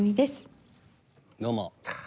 どうも。